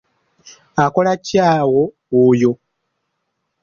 Akola ki awo oyo?